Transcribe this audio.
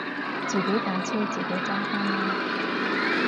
自己架車自己揸返啦